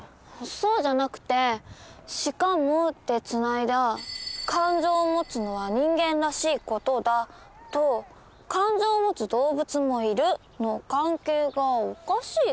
そうじゃなくて「しかも」でつないだ「感情を持つのは人間らしい事だ」と「感情を持つ動物もいる」の関係がおかしい